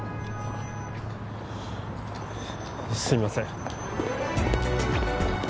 すみません